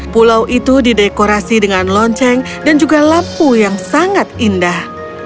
pulau itu didekorasi dengan lonceng dan juga lampu yang sangat indah